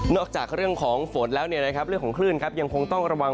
จากเรื่องของฝนแล้วเรื่องของคลื่นยังคงต้องระวัง